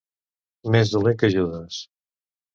Més dolent que Judes.